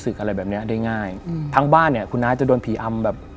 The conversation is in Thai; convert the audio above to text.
ครับผม